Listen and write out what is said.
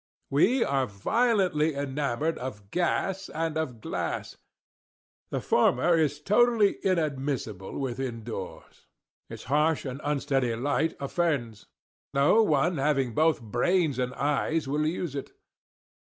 We are violently enamoured of gas and of glass. The former is totally inadmissible within doors. Its harsh and unsteady light offends. No one having both brains and eyes will use it.